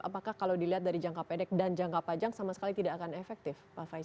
apakah kalau dilihat dari jangka pendek dan jangka panjang sama sekali tidak akan efektif pak faisal